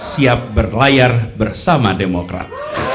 siap berlayar bersama demokrat